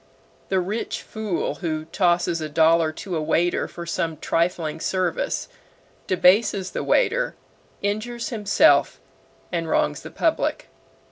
The rich fool who tosses a dollar to a waiter for some trifling service, debases the waiter, injures himself, and wrongs the public.